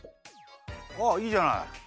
ああいいじゃない。